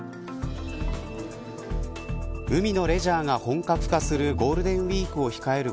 海のレジャーが本格化するゴールデンウイークを控える